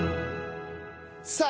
さあ